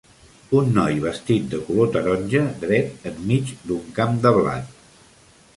Un noi vestit de color taronja dret enmig d'un camp de blat.